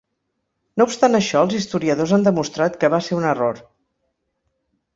No obstant això, els historiadors han demostrat que va ser un error.